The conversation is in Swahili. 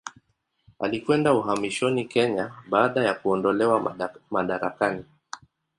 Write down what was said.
Alikwenda uhamishoni Kenya baada ya kuondolewa madarakani.